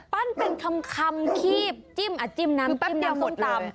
ปั้นเป็นคำคีบจิ้มน้ำส้มตำ